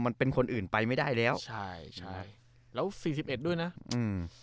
มันเป็นคนอื่นไปไม่ได้แล้วใช่ใช่แล้วสี่สิบเอ็ดด้วยนะอืม